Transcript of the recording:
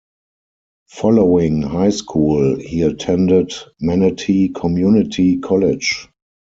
Following high school, he attended Manatee Community College.